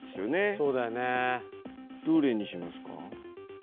そうだよねどれにしますか？